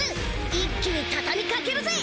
一気に畳みかけるぜ！